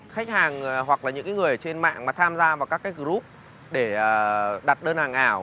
khách hàng hoặc là những người trên mạng mà tham gia vào các group để đặt đơn hàng ảo